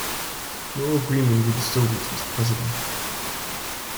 No agreement with the Soviets was possible.